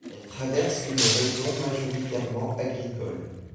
Elle traverse une région majoritairement agricole.